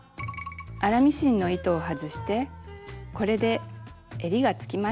粗ミシンの糸を外してこれでえりがつきました。